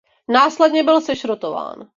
Následně byl sešrotován.